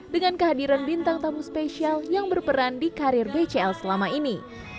dengan kehadiran bintang tamu spesial yang berperan di karir bcl selama ini